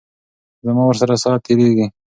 زما ورسره ساعت تیریږي.